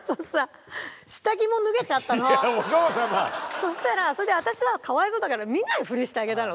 そしたらそれで私はかわいそうだから見ないふりしてあげたの。